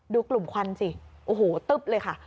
ดูกลุ่มควันสิโอ้โหตึ๊บเลยค่ะ